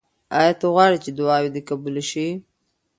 آیا ته غواړې چې دعاوې دې قبولې شي؟